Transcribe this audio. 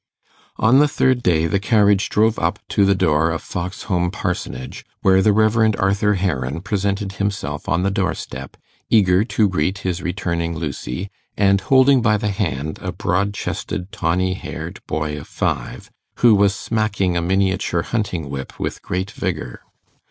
On the third day the carriage drove up to the door of Foxholm Parsonage, where the Rev. Arthur Heron presented himself on the door step, eager to greet his returning Lucy, and holding by the hand a broad chested tawny haired boy of five, who was smacking a miniature hunting whip with great vigour.